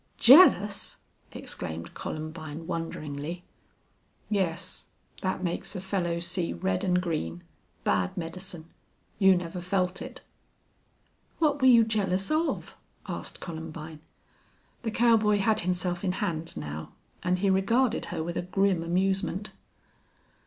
"Jealous!" exclaimed Columbine, wonderingly. "Yes. That makes a fellow see red and green. Bad medicine! You never felt it." "What were you jealous of?" asked Columbine. The cowboy had himself in hand now and he regarded her with a grim amusement.